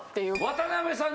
渡部さん